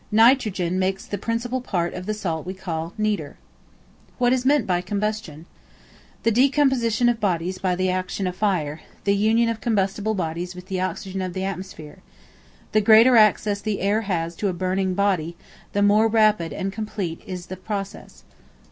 Nitrogen makes the principal part of the salt we call nitre. What is meant by Combustion? The decomposition of bodies by the action of fire; the union of combustible bodies with the oxygen of the atmosphere. The greater access the air has to a burning body, the more rapid and complete is the process.